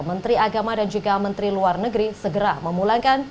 menteri agama dan juga menteri luar negeri segera memulangkan